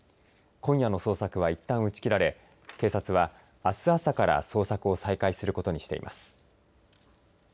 今夜の捜索はいったん打ち切られ警察は、あす朝から捜索を再開することにしています。